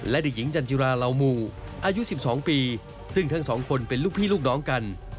และเด็กหญิงจันจิราเหล่าหมู่อายุ๑๒ปีซึ่งทั้งสองคนเป็นลูกพี่ลูกน้องกัน